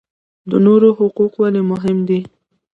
د نورو حقوق ولې مهم دي؟